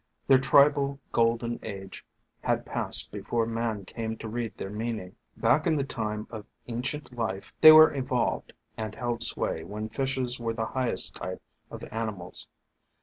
Their tribal Golden Age had passed before man came to read their meaning. Back in the time of ancient life they THE FANTASIES OF FERNS 187 were evolved, and held sway when fishes were the highest type of animals.